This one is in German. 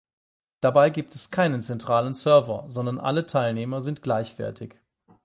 Dabei gibt es keinen zentralen Server, sondern alle Teilnehmer sind gleichwertig.